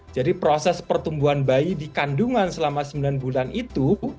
proses pertumbuhan bayi di kandungan selama sembilan bulan itu